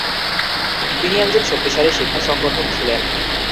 তিনি একজন শক্তিশালী শিক্ষা সংগঠক ছিলেন।